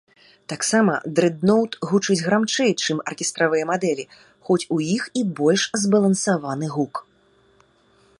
Таксама дрэдноўт гучыць грамчэй, чым аркестравыя мадэлі, хоць у іх і больш збалансаваны гук.